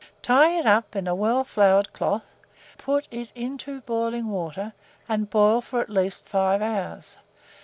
Tie it up in a well floured cloth, put it into boiling water, and boil for at least 5 hours.